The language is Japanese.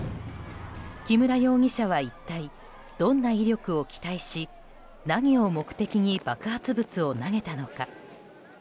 木村容疑者は一体どんな威力を期待し何を目的に爆発物を投げたのか。